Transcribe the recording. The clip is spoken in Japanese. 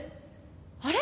あれ？